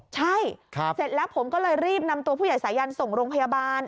ใช่เสร็จแล้วผมก็เลยรีบนำตัวผู้ใหญ่สายันส่งโรงพยาบาล